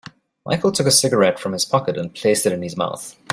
Michael took a cigarette from his pocket and placed it in his mouth.